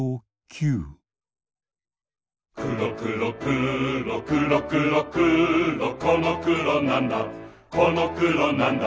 くろくろくろくろくろくろこのくろなんだこのくろなんだ